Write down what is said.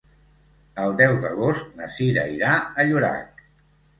El deu d'agost na Cira irà a Llorac.